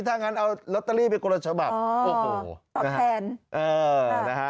ถ้างั้นเอาลอตเตอรี่ไปคนละฉบับโอ้โหตอบแทนเออนะฮะ